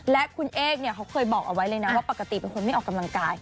และคุณเอกเนี่ยเขาเคยบอกเอาไว้เลยนะว่าปกติเป็นคนไม่ออกกำลังกาย